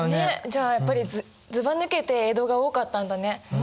じゃあやっぱりずばぬけて江戸が多かったんだね。